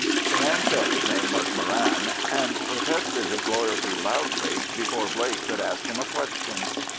The man said his name was Moran, and protested his loyalty loudly before Blake could ask him a question.